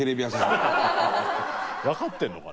わかってんのかな？